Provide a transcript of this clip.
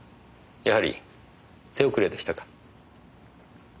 やはり手遅れでしたか。